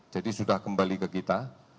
jadi sudah kembali ke kita